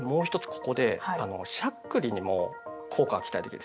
ここでしゃっくりにも効果が期待できるんです。